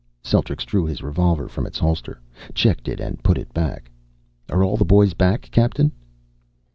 Celtrics drew his revolver from its holster, checked it and put it back. "Are all the boys back, Captain?"